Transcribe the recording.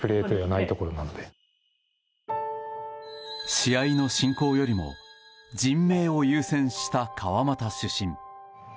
試合の進行よりも人命を優先した川俣主審。